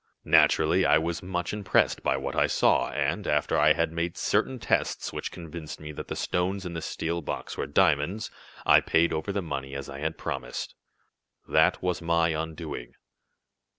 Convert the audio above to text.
"Naturally I was much impressed by what I saw, and, after I had made certain tests which convinced me that the stones in the steel box were diamonds, I paid over the money as I had promised. That was my undoing."